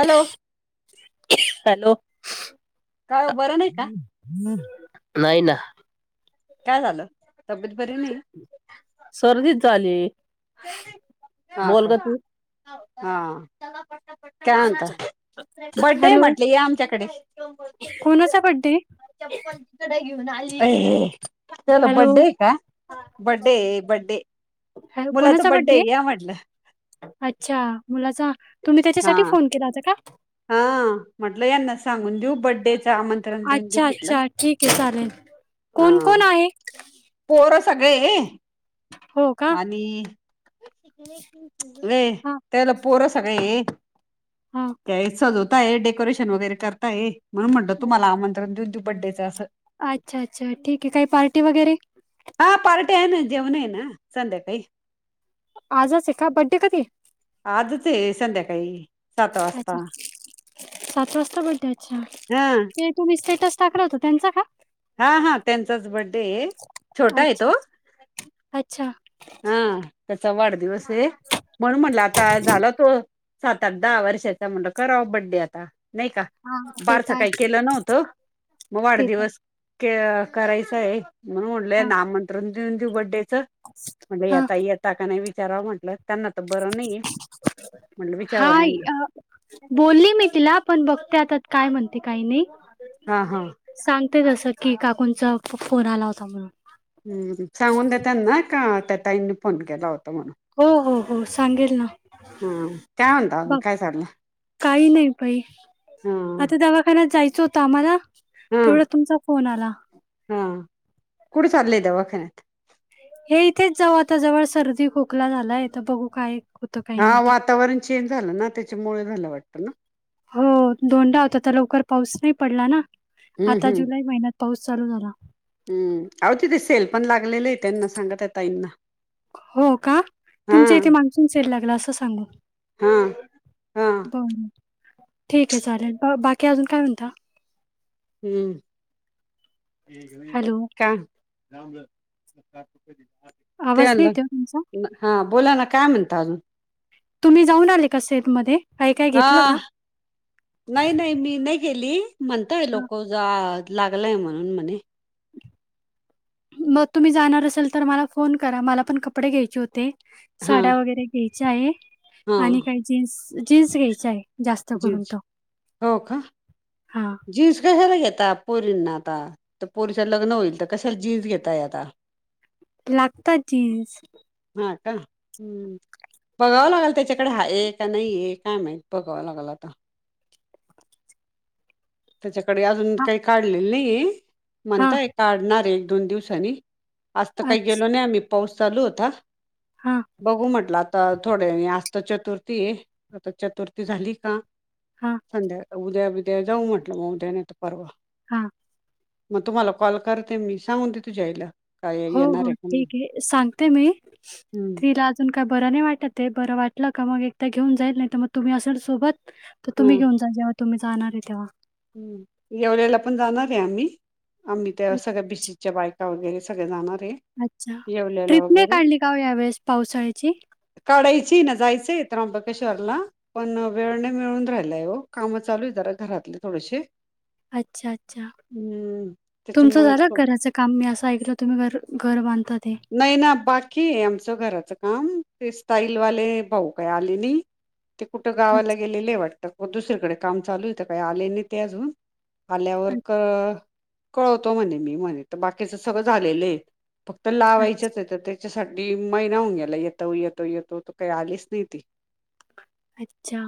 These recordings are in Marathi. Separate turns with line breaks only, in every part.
हॅलो
हॅलो
काय ओ बरं नाही का?
नाही ना
काय झालं? तब्येत बरी नाही
सर्दीच झाली.
हा
बोल
का
ग तू
हा काय म्हणता बड्डे
हॅलो
म्हटले या आमच्याकडे. चप्पल [unintelligible]
कोणाचा बड्डे
अ चल
हॅलो
बड्डे का बड्डे बड्डे
ह
मुलाचा
कोणाचा बड्डे
आहे, या म्हटलं
आहे? अच्छा मुलाचा तुम्ही
हा
त्याच्यासाठी फोन केला होता का?
हा म्हटलं यांना सांगून देऊ बड्डे आमंत्रण देन देऊ
अच्छा
म्हटलं
अच्छा ठीक आहे चालेल
हा
कोण कोण आहे
पोर - ये ये
हो का
आणि नाही
हा
त्याला पोर सगळे ये.
हा
ते सजवताय डेकोरेशन वगैरे करताय म्हणून म्हणतात तुम्हाला आमंत्रण देऊन दे बड्डेचं असं.
अच्छा, अच्छा ठीक आहे काही पार्टी वगैरे.
हा पार्टी आहे ना जेवण आहे ना संध्याकाळी.
आजच आहे का बड्डे कधी ये.
आजच आहे संध्याकाळी सात
अच्छा
वाजता.
सात वाजता बड्डे अच्छा
हा
ते तुम्ही स्टेटस टाकवता त्यांचा का
हा हा त्यांचाच बड्डे ये छोटा आहे
अच्छा
तो.
अच्छा
हा त्याचा वाढदिवस आहे म्हनून म्हणलं आता झाला तो. सात आठ दहा वर्षाचा म्हणल करावा बड्डे आता नाही का
हा ते तर
बारसं
आहे
काही केलं नव्हतं मग
ते तर आहे.
वाढदिवस. करायचंय म्हणून
हा
म्हणलंय आमंत्रण देऊन देऊ बर्डेचं. म्हणजे
हा
आता येता का नाही विचाराव म्हटलं. बर नाही
हा बोलली मी तिला पण बघते आता काय म्हणत? ते काही नाही
हा हा
सांगते तसं की काकूंचा फोन आला होता म्हणून.
हम् सांगून देताना का त्या ताईनी फोन केला होता. म्हण
हो हो हो सांगेल ना
हा, काय म्हणता?
बघ
काय चाल
काही नाही पाई आता दवाखान्यात जायचं आम्हाला
हा
तेवढा तुमचा फोन आला.
कुड चाले दवाखान्यात.
हे इथेच जवळ आता जवळ सर्दी खोकला झालाय. तर बघू काय? होतं काही
हा
नाही आता
वातावरण चेंज झालं ना त्याच्यामुळेळे झालं वाटत ना.
हो दोंनदा होताता लवकर. पाऊस नाही पडला ना
हम्म
आता
हम्म
जुलै महिन्यात पाऊस चालू झाला.
हम्म आओ तिथे सेल पण लागलेले आहे त्यांना सांगा त्या ताई ना.
हो का तुमच्या इथे मानसून सेल लागला असं सांगू.
हा हा
बर ठीक आहे, चालेल बाकी अजून काय म्हणता.
हम्
हॅलो
का
आवाज नाही
त्यांनला,
येत आहे हो तुमचा
हा बोला ना काय म्हणता अजून?
तुम्ही जाऊन आले का सेब मध्ये?
हा नाही नाही मी नाही गेली म्हणतय
हा.
लोक जा लागल आहे म्हणून म्हणे.
मग तुम्ही जाणार असेल तर मला फोन करा मला पण कपडे घ्यायचे होते.
हा
साड्या वगैरे घ्यायच्या आहे
हा
आणि काही जीन्स जीन्स घ्यायचे आहे. जास्त करून
जीन्स
तर
हो का
हां.
जीन्स कशाला घेता? आता पोरींना आता तर पोरीच्या लग्न होईल तर कशाला जीन्स घेताय आता.
लागतात जिन्स
ह का हम्म बघावं लागेल त्याच्याकडे हा आहे का नाही आहे काय मा बघाव लागेल आता त्याच्याकडे अजून
हां
काही काढलेलं नाही
हां
म्हणताय काढणार आहे. दोन दिवसनी आज तर काही
अच्छ
गेलो नाही आम्ही पाऊस चालू होता.
हां
बघू म्हटला. आता थोडे आस्त चतुर्थी आता चतुर्थी झाली का
हां
संध्या उद्या बिद्या जाऊ म्हटलं मग उद्याने तर परवा.
हां
मग तुम्हाला कॉल करते मी सांगून दे तुझ्यायला.
हो हो ठीक आहे सांगते मी तिला अजून काय बर नाही वाटत आहे. बर वाटलं का मग एकदा घेऊन जाईन नाहीतर तुम्ही असं सोबत तर तुम्ही
हम्म
घेऊन जा. तुम्ही जाणार आहे तेव्हा.
हम्म एवढ्याला पण जाणार आहे आम्ही, आम्ही त्या सगळ्या बीशी
अच्छा
च्या बायका वगैरे सगळे जाणार. आहे
अच्छा
येवल्याला
ट्रिप नाही
वगैरे
काढली का यावेेळेस पावसाळ्याची.
काढायची ना जायचंय त्रंबकेश्वरला. पण वेळ नाही मिळून राहिलाय काम चालू आहे जरा घरातली. थोडीशी
अच्छा अच्छा! तुमचं
त्याच्यामुळे
झालं
थो-
घराचं काम मी असं ऐकलं तुम्ही घ घर बांधताात हे,
नाही ना बाकी आहे आमचं घराचं काम ते स्टाईलवाले भाऊ काय आले नाही ते कुठं गावाला
अच्छ
गेलेले हे वाटतं, व दुसरीकडे काम चालू यत काही आले नाही ते अजून
अच्छा,
आल्यावर का कळवतो म्हणे मी म्हणे तर बाकीच सगळं झालेलं आहे, फक्त
अच्छा,
लावायचेच आहे तर ते त्याच्यासाठी महिना होऊन गेला येतो येतो येतो त काही आलीच नाही ती.
अच्छा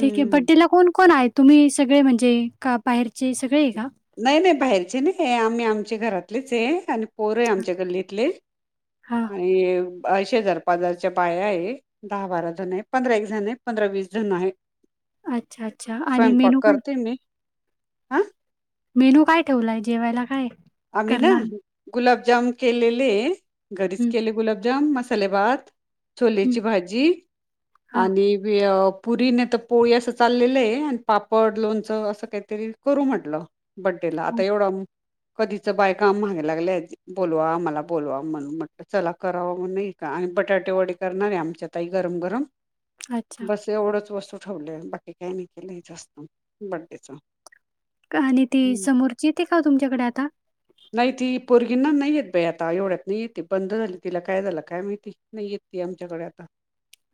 ठीक आहे बड्डेला कोण कोण आहे तुम्ही सगळे म्हणजे, का बाहेरचे सगळे आहे का?
नाही नाही बाहेरची नाही आम्ही आमच्या घरातलेच आहे आणि पोर आहे आमच्या गल्लीत ले
हां.
आणि शेजार पाजारच्या बाया आहे. दहा बारा जण आहे पंधरा एक जण आहे पंधरा वीस जण आहे.
अच्छा, अच्छा. आणि
स्वयंपाक
मेनू काय?
करते मी. हं
मेनू काय ठेवलाय जेवायला काय?
आम्ही ना
करणार?
गुलाबजाम केलेले घरीच
हं,
केले गुलाबजाम मस्त, मसाले भात
हं.
छोलेची भाजी
हां,
आणि ते पुरी नाहीतर पोळी असं चाललेलं आहे आणि पापड लोणचं असं काहीतरी करू म्हटलं, बड्डे ला
हं.
आता एवढा कधीच बायका आम महाग लागल्या बोलवा आम्हाला बोलवा म्हणून म्हट चला कराव म्हग नाही का. बटाटे वडे करणारे आमच्यातई गरम गरम.
अच्छा.
बस एवढच वस्तू ठेवले बाकी काही नाही केलंच असत बर्डेच,
आणि ती समोरची येते का तुमच्याकडे आता?
नाही ती. पोरगींना नाही येत बाई आता एवढ्यात नाही येते बंद झाली तिला काय झालं काय माहिती नाही येत ती आमच्याकडे आता.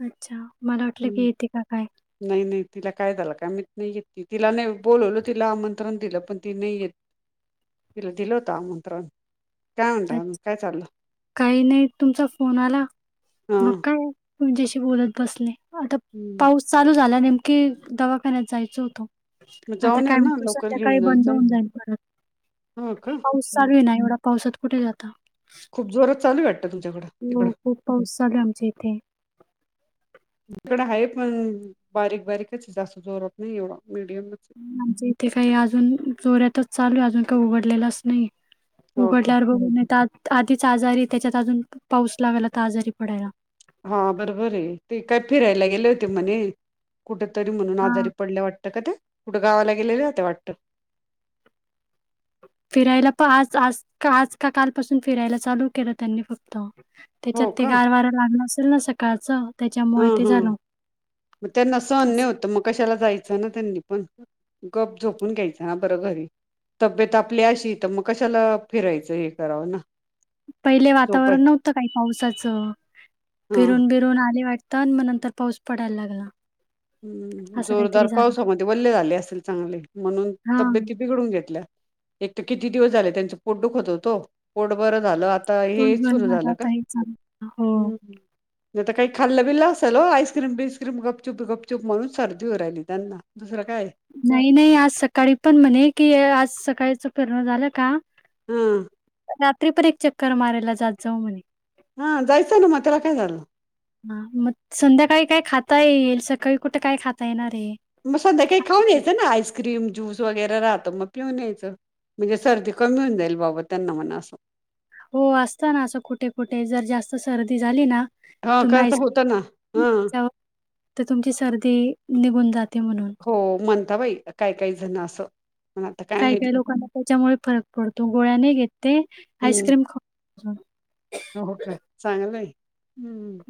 अच्छा. मला वाटलं की
ह
येते का काय?
नाही नाही तिला काय झालं का मीहित. नाही येत ती तिला नाही बोलवलं तिला आमंत्रण दिलं पण ती नाही येत. तिला दिलो होतं आमंत्रण. काय म्हणता मग काय चाललं
काही नाही तुमचा फोन आला
हा
मग काय तुच्याशी बोलत बसले आता
हम्म
पाऊस चालू झाला नेमकीे दवाखान्यात जायच होत.
मग
आता
जाऊन या
काय
ना
म्हणू
लवकर
संध्याकाळी
घेऊन
बंद
जायचं ना.
होऊन जाईल परत.
हो का
पाऊस
हं.
चालू नाही एवढा पावसात कुठे जाता.
खूप जोरात चालू आहे वाटतं तुमच्याकडं
हो
तिकडं हं.
खूप पाऊस चालू आहे आमच्या इथे.
इकड आहे पण बारीक बारीकच जास्त जोरत नाही एवढं,
आमच्या इथे काही अजून जोऱ्यातच चालू आहे. अजून काही उघडलेलंच नाही.
हो का
उघडल्यावर बघ नाहीेता आधीच आजारी त्याच्यात अजून पाऊस लावायला तर आजारी पडायला.
हा बरोबर आहे ते काय फिरायला गेले होते म्हणे कुठ तरी म्हणून
हां.
आजारी पडल्या वाट का ते कुठं गावाला गेलेले ते वाटत.
फिरायला प आज आज आज का कालपासून फिरायला चालू केलं त्यांनी फक्त. त्याच्यात
हो
ते
का
गार वारं लागलं असेल ना सकाळचं.
हा
त्याच्यामुळे ते
हा
झालं.
मग त्यांना सहन नाही होतं मग कशाला जायचं ना त्यांनी पण. गप झोपून घ्यायच हा बरं घरी. तब्येत आपली अशी तर मग कशाला फिरायचं हे करावं ना.
पहिले
झोपाय
वातावरण नव्हतं काय पावसाचं
हा
फिरून बिरून आले वाटतं. तर मग नंतर पाऊस पडायला लागला.
हम्म
असं
जोरदार
काहीतरी झालं.
पावसामध्ये वल्ले झाले असल चांगले म्हणून
हां.
तब्येती बिघडून घेतल्या. एक तर किती दिवस झाले त्यांचं पोट दुखत होत. पोट बर झालं आता आता हेच
दिवसभर
सुरू
माझं
झालं का?
आता हे चालू हो.
ह् नाही तर काही खाल्लं बिल्ल असेल हो आईस्क्रीमबिस क्रीम गपचूप गपचूप म्हणून सर्दी होऊ लागली त्यांना. काय
नाही नाही आज सकाळी पण म्हणे की आज सकाळचा फिरणं झालं का.
हम्म
रात्री पण एक चक्कर मारायला जात जाऊ म्हणे.
हा जायचंय ना मग त्याला काय झालं.
हा मग संध्याकाळी काय खाता येईल सकाळी कुठे काय खाता येणार. आहे?
मग संध्याकाळी काही खाऊन
आपलं
यायचं ना आईस्क्रीम ज्यूस वगैरे राहतं मग पिऊन यायचं. म्हणजे सर्दी कमी होऊन जाईल बाबा त्यांना म्हणा असं.
हो असत ना असं कुठे कुठे जर जास्त सर्दी झाली ना
हा
तुम्ही
करता
आईक
होतं ना हा
[unintelligible] तर तुमची सर्दी निघून जाते. म्हणून.
हो म्हणता बाई काय काय जण असं. पण आता काय
काही
माहित
काही लोकांना त्याच्यामुळे फरक पडतो गोळ्या नाही घेते
हम्म
आईस्क्रीम खाऊ
हो का चांगलं आहे हम्म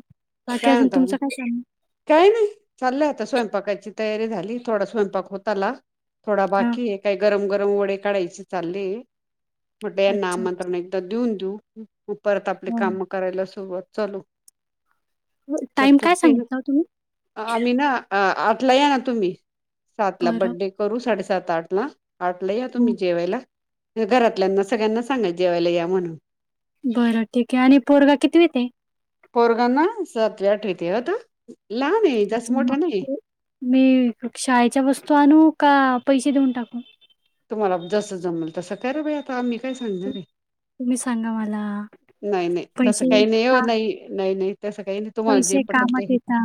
बाकी
काय
अजून
म्हणता
तुमचा काय चांल
काही नाही चाललंय आता स्वयंपाकाची तयारी झाली थोडा स्वयंपाक होताला. थोडा
हा
बाकी आहे काही गरम गरम वडे काढायचे चालले. म्हणटलं यांना
अच्छा
आमंत्रण एकदा देऊन घेऊ, मग परत आपली काम करायला सुरुवात. करू
टाइम काय सांगच
आम्ही ना आठला या ना तुम्ही. सातला
बरं
बर्थडे करून साडेसातला सात आठ ला आठला या
हं,
तुम्ही जेवायला. घरातल्यांना सगळ्यांना सांगा जेवायला या म्हणून.
बरं ठीक आहे आणि पोरगा कितवीतय.
पोरगांना सातवी आठवीती होता.
अच्छा मग मी शाळेच्या वस्तू आणू का? पैसे देऊन टाकू.
तुम्हाला जस जमेल तसं करा बाई आता आम्ही- काय सांगणार आहे.
तुम्ही सांगा मला-
नाही नाही. तसं
पैसे
काही हो,
का
नाही नाही नाही नाही. तसं काही तुम्हाला जे
पैसे
पटेल ते
कामात येता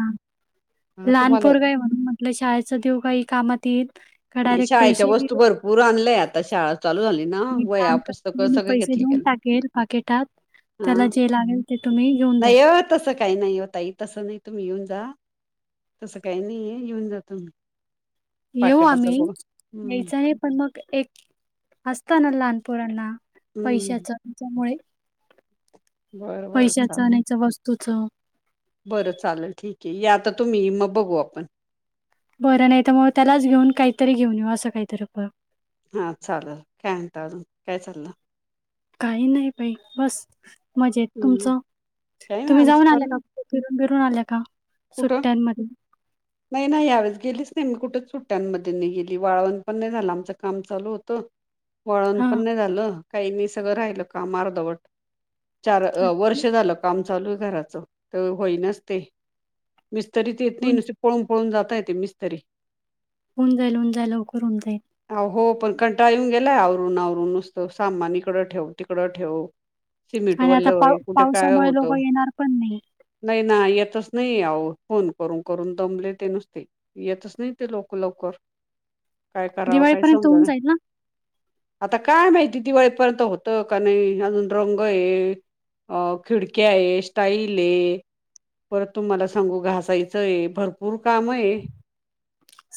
-
हां,
लहान
तुम्हाला
पोरग आहे म्हणून म्हटलं शाळेच देऊ काही कामात येईल.
पूर आणलंय. आता शाळा चालू झाली ना
मी
वह्या
काम
पुस्तकं
करते मी
सगळे
पैसे
घेतले
देऊन
गेल.
टाकेल पाकिटात
हा.
त्याला जे लागेल ते तुम्ही घेऊन द्या
नाही हो, तस काही नाही हो ताई तसं नाही. तुम्हीयेऊन जा. तसं काही नाहीये. येऊन जा तुम्ही.
येऊ
पाकिटाचं
आम्ही.
बघून हं,
यायचं आहे पण एक - असत ना लहानपोरांना,
हं.
पैशाचं त्याच्यामुळे -
बरं, बरं
पैशाचं
चालेल.
आणि ह्याच वस्तूचं-
बरं चालेल ठीक आहे. या आता तुम्ही मग बघू आपण.
बरं नाही तर, मग त्यालाच घेऊन काहीतरी घेऊन येऊ असं काहीतरी करू.
हा चालल. काय म्हणता अजून? काय चाललं?
काही नाही बाई बस. मजेत.
हं.
तुमचं?
काही नाही
तुम्ही
आमचं
जाऊन आल्या
चाललं.
का? कुट फिरून बिरून आल्या का?
कुठं?
सुट्ट्यांमध्ये.
नाही नाही यावेळेस गेलीच नाही मी कुठेच सुट्ट्यांमध्ये नाही गेली वाळवण पण नाही झालं आमचं काम चालू होतं- वाळवण
हा
पण नाही झालं. काही नाही सगळं राहिल काम अर्धवट. चार- वर्ष झालं काम चालू आहे घराच. तर होईनाच ते. मिस्त्रीच येत नाही
होऊन
नुसते पळून पळून जाता येत ते मिस्तरी.
होऊन जाईल. होऊन जाईल. लवकर होऊन जाईल.
हो पण कंटाळा येऊन गेलाय आवरुन आवरून नुसतं. सामान इकडं ठेव तिकडं ठेव. सिमेंट
आणि आता
ओलं
पाव
व्हयं कुठे काय
पावसामुळे लोक
होतं.
येणार पण नाही
नाही ना येतच- नाही आहो, फोन करून करून दमलेयं ते नुसते येतच नाही ते लोक लवकर. काय करावं काय
दिवाळीपर्यंत होऊन
समजना.
जाईल ना
आता काय माहित? दिवाळीपर्यंत होत का नाही? अजून रंग आहे. अ खिडक्या आहे स्टाईल आहे. परत तुमाला सांगू घासायचंय भरपूर काम आहे.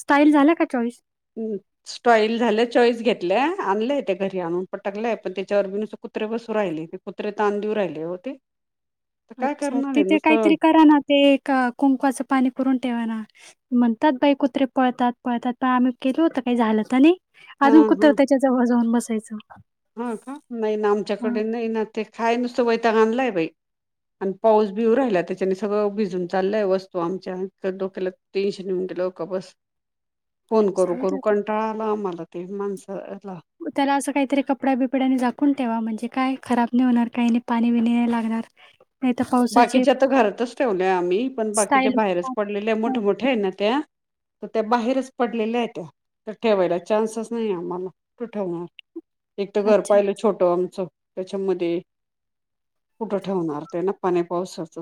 स्टाईल झाला का चॉईस?
हं स्टाईल झालं चॉईस घेतल्या. आणलंय ते घरी आणून पटकलंय पण त्याच्यावर - कुत्रे बसू राहिले ते कुत्रे ताण देऊ राहिले हो ते. तर काय
अच्छा.
करणार आहे
तिथे
नुसतं
काहीतरी करा ना. ते एक कुंकुवाचं पाणी करून ठेवा ना. म्हणतात बाई कुत्रे पळतात पळतात. पण आम्ही केल होत पण काही झालं तर नाही.
हा
अजून कुत्र
हा
त्याच्या जवळ जाऊन बसायचं.
हा का? नाही ना,
हां.
आमच्याकडे नाही ना ते काय नुसतं वैताग आणलायं बाई. आणि पाऊस बी येवू राहिला त्याच्याने सगळं भिजून चाललंय वस्तू आमच्या डोक्याला टेन्शन येवून- [unintelligible] बस फोन करू
जाऊ दे
करू
आता.
कंटाळा आला आम्हाला ते माणसं-
त्याला असं काहीतरी कपडा बिप- ड्याने झाकून ठेवा. म्हणजे कायं? खराब नाही होणार काही, पाणी बिणी नाही लागणार. नाही तर पावसाचे
बाकीच्या तरं घरातच ठेवल्याय आम्ही. पण बाकीच्या
स्टाईल
बाहेरच पडलेल्याये मोठमोठ्या आहेत ना त्या. तर त्या बाहेरच पडलेल्या आहेत. त्या तर ठेवायला चान्सच नाहीए आम्हाला. कुठं ठेवणार? एक तर घर
अच्छा,
पाहिलं छोटं आमचं त्याच्यामध्ये -कुठं ठेवणार ते ना? पाण्या पावसाच.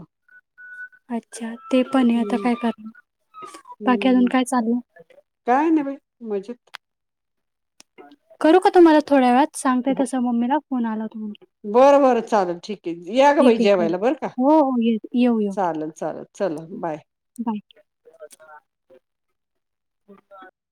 अच्छा. ते पण आहे आता काय करणार? बाकी अजून
हम्म
काय चालू?
काय नाही बाई मजेत.
करू का तुम्हाला थोड्या वेळात? सांगते
हो
तस मम्मीला फोन आला होता म्हणून.
बरं बरं चालेल ठीक आहे. या गं
ठीक
बाई
आहे कर.
जेवायला बरं का.
हो, हो. ये येऊ, येऊ.
चालेलं चालेलं चलं. बाय.
बाय.